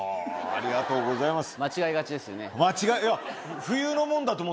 ありがとうございます。